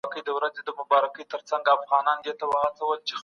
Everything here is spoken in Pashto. واک ته رسېدل د زور له لاري قانوني نه ګڼل کېږي.